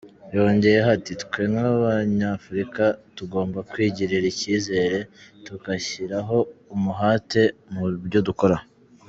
Yongeyeho ati :" Twe nk’Abanyafurika tugomba kwigirira icyizere, tugashyiraho umuhate mu byo dukora".